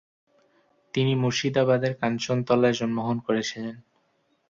তিনি মুর্শিদাবাদের কাঞ্চনতলায় জন্মগ্রহণ করেছিলেন।